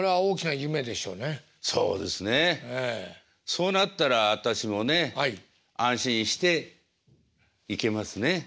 そうなったら私もね安心して行けますね。